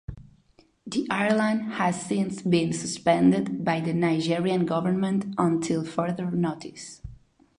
The airline has since been suspended by the Nigerian government until further notice.